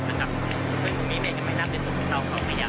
คุณผู้นี้จะไม่รับในสูตรผู้ที่เตาของพี่ยักษ์